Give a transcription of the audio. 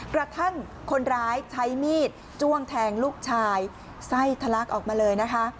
กระทั่งคนร้ายใช้มีดจ้วงแทงลูกชายไส้ทะลักออกมาเลยนะคะ